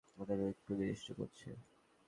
আমাদের ঐক্য বিনষ্ট করছে।